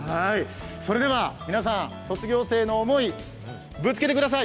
それでは皆さん、卒業生の思い、ぶつけてください。